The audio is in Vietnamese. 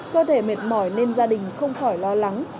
cơ thể mệt mỏi nên gia đình không khỏi lo lắng